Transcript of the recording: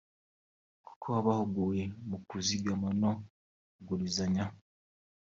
kuko wabahuguye mu kuzigama no kugurizanya